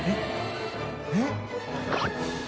えっ？